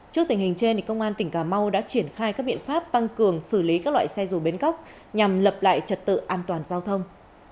trước tình hình trên công an tỉnh cà mau đã triển khai các biện pháp tăng cường xử lý các loại xe dù bến cóc nhằm lập lại trật tự an toàn giao thông